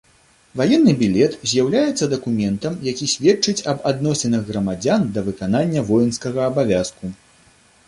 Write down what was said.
Ваенны білет з'яўляецца дакументам, які сведчыць аб адносінах грамадзян да выканання воінскага абавязку.